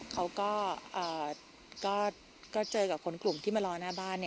เขาก็เจอกับคนกลุ่มที่มารอหน้าบ้าน